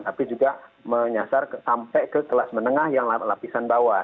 tapi juga menyasar sampai ke kelas menengah yang lapisan bawah